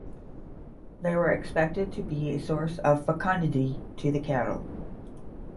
They were expected to be a source of fecundity to the cattle.